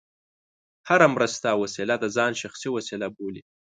هره مرسته او وسیله د ځان شخصي وسیله بولي.